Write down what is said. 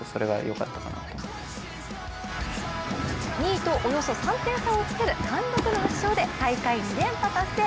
２位とおよそ２点差をつける貫禄の圧勝で大会２連覇達成。